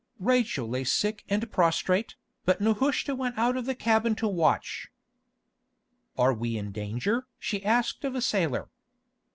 Rachel lay sick and prostrate, but Nehushta went out of the cabin to watch. "Are we in danger?" she asked of a sailor.